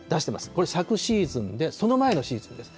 これ、昨シーズンで、その前のシーズンです。